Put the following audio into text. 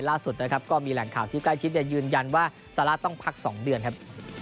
ล่าสุดนะครับก็มีแหล่งข่าวที่ใกล้ชิดยืนยันว่าซาร่าต้องพัก๒เดือนครับ